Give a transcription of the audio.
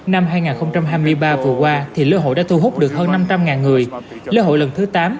năm hai nghìn hai mươi ba vừa qua thì lễ hội đã thu hút được hơn năm trăm linh người lễ hội lần thứ tám